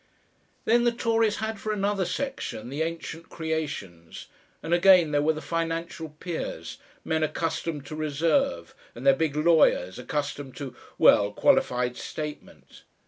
Then the Tories had for another section the ancient creations, and again there were the financial peers, men accustomed to reserve, and their big lawyers, accustomed to well, qualified statement.